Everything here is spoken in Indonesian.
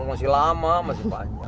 masih lama masih panjang